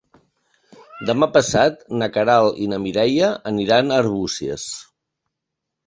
Demà passat na Queralt i na Mireia aniran a Arbúcies.